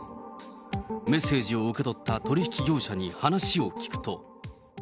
メッセージを受け取った取り引き業者に話を聞くと。